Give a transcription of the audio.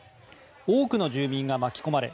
多くの住民が巻き込まれ